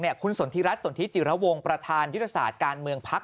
คุณสนทิรัฐสนทิจิระวงประธานยุทธศาสตร์การเมืองพัก